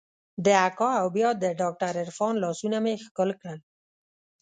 د اکا او بيا د ډاکتر عرفان لاسونه مې ښکل کړل.